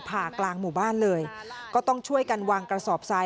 ผ่ากลางหมู่บ้านเลยก็ต้องช่วยกันวางกระสอบทราย